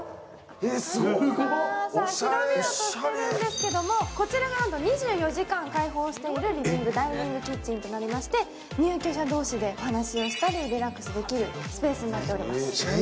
広々としてるんですけれども、こちらが２４時間共用しているダイニングキッチンとなりまして、入居者同士で話をしたりリラックスできるスペースとなっています。